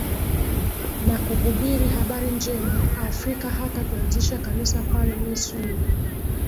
na kuhubiri Habari Njema Afrika hata kuanzisha Kanisa pale Misri Ndiye